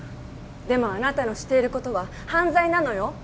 でもあなたのしていることは犯罪なのよ